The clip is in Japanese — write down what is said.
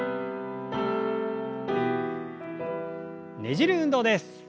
ねじる運動です。